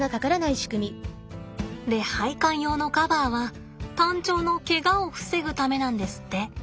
で配管用のカバーはタンチョウのケガを防ぐためなんですって。